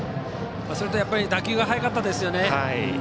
それとやっぱり打球が速かったですね。